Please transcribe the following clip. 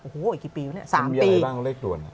มีอะไรบ้างเลขดวน